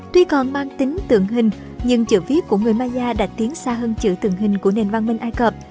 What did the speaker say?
tuy còn mang tính tượng hình nhưng chữ viết của người maya đã tiến xa hơn chữ tượng hình của nền văn minh ai cập